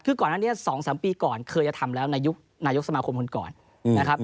คือก่อนล่ะที่สองสามปีก่อนเคยทำแล้วในยุคสมาคมคนก่อนนะครับ